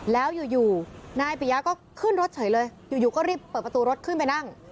แล้วอยู่นายปิยาก็ขึ้นรถเฉยเลยอยู่ก็รีบเปิดประตูรถขึ้นไปนั่ง